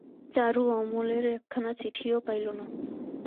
চারু অমলের একখানা চিঠিও পাইল না।